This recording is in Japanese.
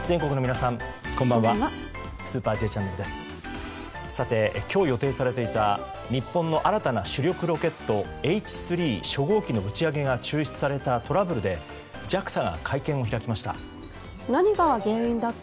さて、今日予定されていた日本の新たな主力ロケットＨ３初号機の打ち上げが中止されたトラブルでＪＡＸＡが会見を開きました。